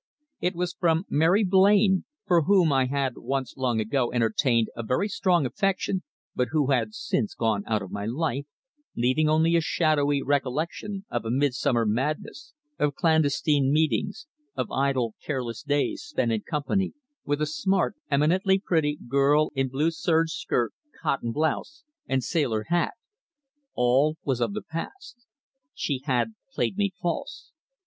It was from Mary Blain, for whom I had once long ago entertained a very strong affection, but who had since gone out of my life, leaving only a shadowy recollection of a midsummer madness, of clandestine meetings, of idle, careless days spent in company with a smart, eminently pretty, girl in blue serge skirt, cotton blouse and sailor hat. All was of the past. She had played me false.